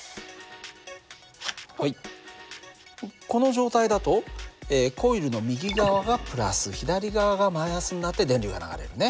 はいこの状態だとコイルの右側がプラス左側がマイナスになって電流が流れるね。